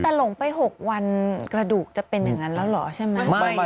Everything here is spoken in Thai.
แต่หลงไป๖วันกระดูกจะเป็นอย่างนั้นแล้วเหรอใช่ไหม